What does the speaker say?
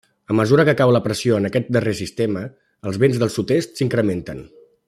A mesura que cau la pressió en aquest darrer sistema, els vents del sud-est s'incrementen.